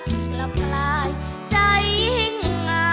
กลับลายใจเหงา